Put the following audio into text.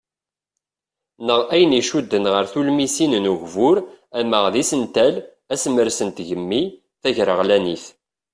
Neɣ ayen iccuden ɣer tulmisin n ugbur ama d isental, asemres n tgemmi ,tagreɣlanit.